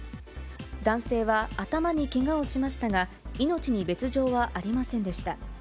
男性は頭にけがをしましたが、命に別状はありませんでした。